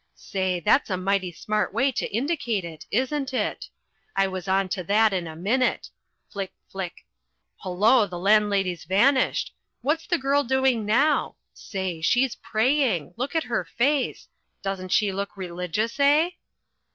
Say! That's a mighty smart way to indicate it isn't it? I was on to that in a minute flick, flick hullo, the landlady's vanished what's the girl doing now say, she's praying! Look at her face! Doesn't she look religious, eh?